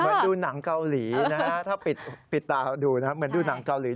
ดูหนังเกาหลีนะฮะถ้าปิดตาดูนะเหมือนดูหนังเกาหลี